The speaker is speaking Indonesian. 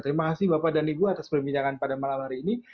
terima kasih bapak dan ibu atas perbincangan pada malam hari ini